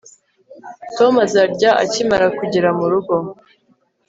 tom azarya akimara kugera murugo